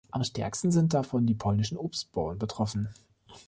Am stärksten sind davon die polnischen Obstbauern betroffen.